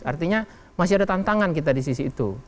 artinya masih ada tantangan kita di sisi itu